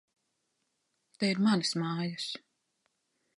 Te ir manas mājas!